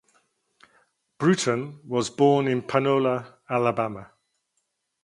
Bruton was born in Panola, Alabama.